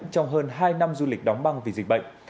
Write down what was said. trong hơn hai năm du lịch đóng băng vì dịch bệnh